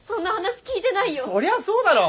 そりゃそうだろ。